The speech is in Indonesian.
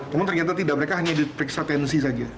namun ternyata tidak mereka hanya diperiksa tensi saja